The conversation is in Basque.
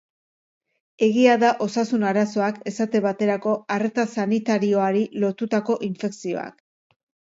Egia da osasun arazoak, esate baterako arreta sanitarioari lotutako infekzioak.